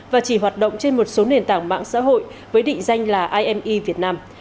và chỉ hoạt động trên một số nền tảng mạng xã hội với định danh là ime việt nam